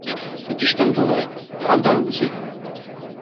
Totiž tam dole, v Andalusii.